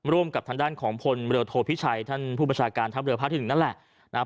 ร่วมกับทางด้านของพลเมลวโทพิชัยท่านผู้ประชาการท่านเมลวภาษณ์ที่๑นั่นแหละ